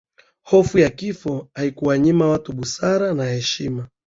hofu ya kifo haikuwanyima watu busara na heshima